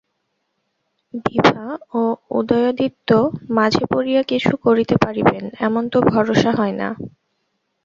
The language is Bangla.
বিভা ও উদয়াদিত্য মাঝে পড়িয়া কিছু করিতে পারিবেন, এমন তো ভরসা হয় না।